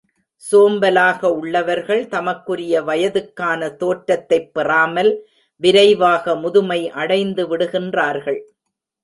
சோம்பலாக உள்ளவர்கள் தமக்குரிய வயதுக்கான தோற்றத்தைப் பெறாமல் விரைவாக முதுமை அடைந்து விடுகின்றார்கள்.